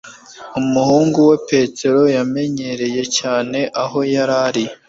Umuhungu we Petero yamenyereye cyane aho yari ari